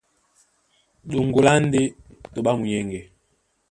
Ɗoŋgo lá e ndé ɓato ɓá nyuŋgá.